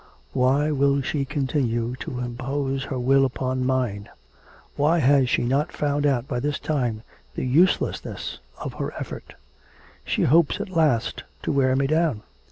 'Why will she continue to impose her will upon mine? Why has she not found out by this time the uselessness of her effort? She hopes at last to wear me down.